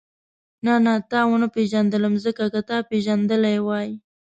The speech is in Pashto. نه نه تا ونه پېژندلم ځکه که تا پېژندلې وای.